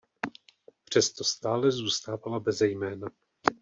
Přesto stále zůstávala beze jména.